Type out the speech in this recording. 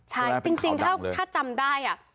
ใช่จริงถ้าจำได้